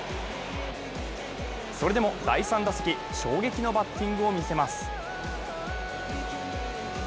それでも第３打席、衝撃のバッティングを見せます。